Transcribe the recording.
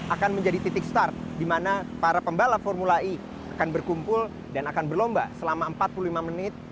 akan menjadi titik start di mana para pembalap formula e akan berkumpul dan akan berlomba selama empat puluh lima menit